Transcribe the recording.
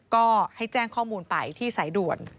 ก็ให้แจ้งข้อมูลไปที่สายด่วน